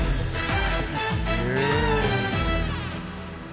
へえ。